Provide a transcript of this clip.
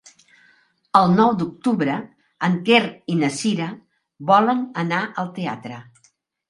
El nou d'octubre en Quer i na Cira volen anar al teatre.